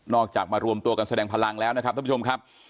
จากมารวมตัวกันแสดงพลังแล้วนะครับท่านผู้ชมครับ